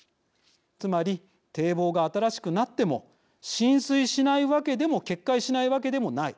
つまり、堤防が新しくなっても浸水しないわけでも決壊しないわけでもない。